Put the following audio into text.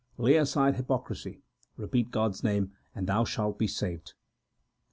Lay aside hypocrisy, repeat God s name, and thou shalt be saved.